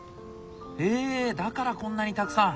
へえだからこんなにたくさん？